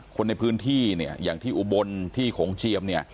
คนในพื้นที่อย่างที่อุบลที่ของเจียม